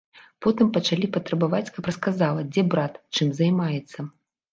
Потым пачалі патрабаваць, каб расказала, дзе брат, чым займаецца.